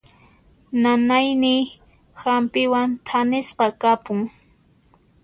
Nanayniy hampiwan thanisqa kapun.